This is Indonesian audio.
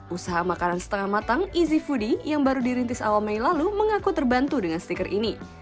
usaha makanan setengah matang easy foodie yang baru dirintis awal mei lalu mengaku terbantu dengan stiker ini